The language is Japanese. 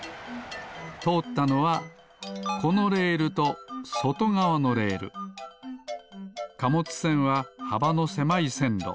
とおったのはこのレールとそとがわのレール。かもつせんははばのせまいせんろ。